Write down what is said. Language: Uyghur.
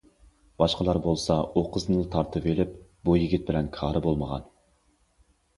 باشقىلار بولسا ئۇ قىزنىلا تارتىۋېلىپ بۇ يىگىت بىلەن كارى بولمىغان.